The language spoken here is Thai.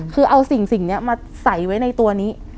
คือเอาสิ่งนี้มาใส่ไว้ในตัวนี้